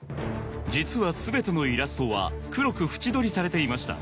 実は全てのイラストは黒く縁取りされていました